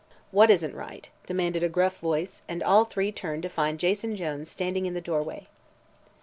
"What isn't right?" demanded a gruff voice, and all three turned to find Jason Jones standing in the doorway.